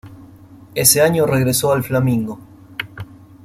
Ese año regresó al Flamengo.